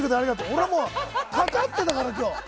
俺はかかってたの今日。